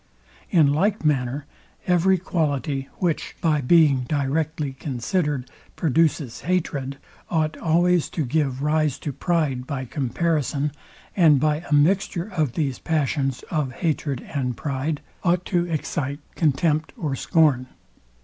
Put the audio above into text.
In like manner every quality, which, by being directly considered, produces hatred, ought always to give rise to pride by comparison, and by a mixture of these passions of hatred and pride ought to excite contempt or scorn.